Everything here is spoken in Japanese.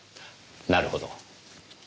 なるほど。